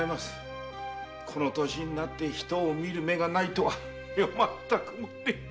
この歳になって人を見る目がないとはまったくもって情けない。